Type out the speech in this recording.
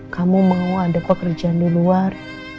kamu mau ada pekerjaan di luar